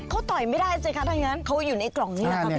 เขาต่อยไม่ได้สิคะถ้าอยู่ในกล่องนี้ล่ะครับพี่